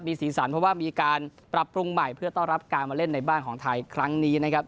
สีสันเพราะว่ามีการปรับปรุงใหม่เพื่อต้อนรับการมาเล่นในบ้านของไทยครั้งนี้นะครับ